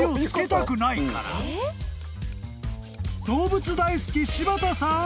［動物大好き柴田さん